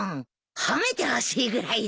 褒めてほしいぐらいだよ。